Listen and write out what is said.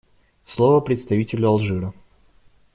Слово представителю Алжира.